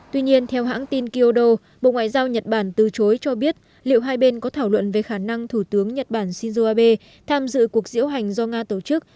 tuy nhiên theo hãng tin kyodo bộ ngoại giao nhật bản từ chối cho biết liệu hai bên có thảo luận về khả năng thủ tướng nhật bản shinzo abe tham dự cuộc diễu hành do nga tổ chức